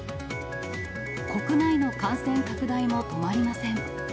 国内の感染拡大も止まりません。